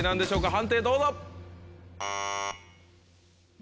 判定どうぞ。